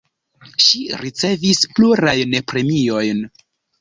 Ŝi ricevis plurajn premiojn.